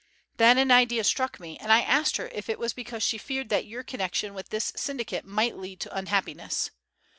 Then an idea struck me, and I asked her if it was because she feared that your connection with this syndicate might lead to unhappiness.